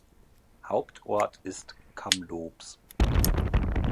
Hauptort ist Kamloops.